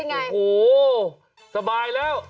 โอ้โหสบายแล้ว